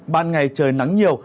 ban ngày trời nắng nhiều